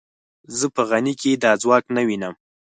زه په غني کې دا ځواک نه وینم.